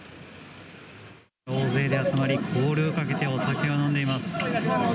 大勢で集まりコールをかけてお酒を飲んでいます。